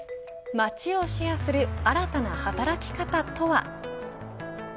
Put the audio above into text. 街をシェアする新たな働き方とは。